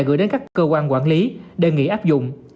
gửi đến các cơ quan quản lý đề nghị áp dụng